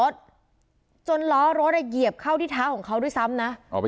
ดรอาสาสมัครท่านวิทยาธิสมิตร